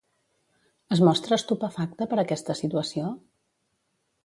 Es mostra estupefacta per aquesta situació?